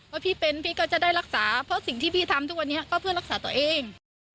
ว่าพี่เป็นพี่ก็จะได้รักษาเพราะสิ่งที่พี่ทำทุกวันนี้ก็เพื่อรักษาตัวเอง